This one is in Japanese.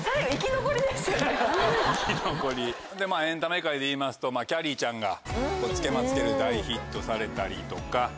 エンタメ界でいいますときゃりーちゃんが『つけまつける』大ヒットされたりとか。